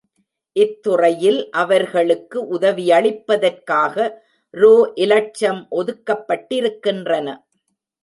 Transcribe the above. இத் துறையில் அவர்களுக்கு உதவியளிப்பதற்காக ரூ இலட்சம் ஒதுக்கப்பட்டிருக்கின்றன.